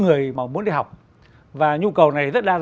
người mà muốn đi học và nhu cầu này rất